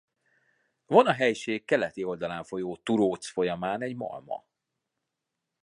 Van a helység keleti oldalán folyó Thurócz folyamán egy malma.